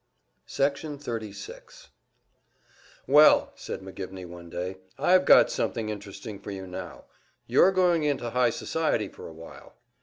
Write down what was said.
Section 36 "Well," said McGivney one day, "I've got something interesting for you now. You're going into high society for a while!"